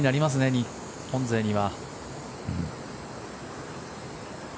日本勢には。